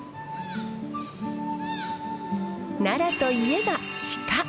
奈良といえば鹿。